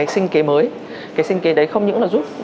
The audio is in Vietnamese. sinh kế mới cái sinh kế đấy không những là giúp